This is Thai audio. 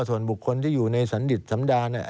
ส่วนบุคคลที่อยู่ในสันดิตสำดาเนี่ย